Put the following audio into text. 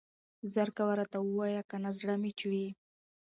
زر کوه راته ووايه کنه زړه مې چوي.